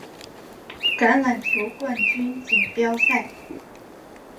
橄榄球冠军锦标赛。